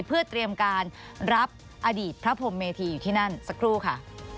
เพื่อเตรียมการรับอดีตพระพรมเมธีอยู่ที่นั่นสักครู่ค่ะ